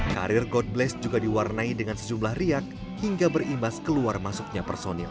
karir god bless juga diwarnai dengan sejumlah riak hingga berimbas keluar masuknya personil